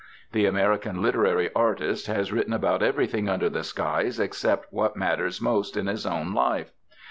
The American literary artist has written about everything under the skies except what matters most in his own life.